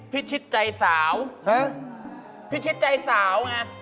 พี่ชิดใจสาวไง